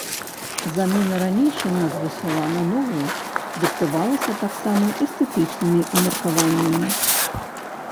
Замена ранейшай назвы сяла на новую дыктавалася таксама эстэтычнымі меркаваннямі.